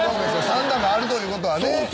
３弾があるということはね。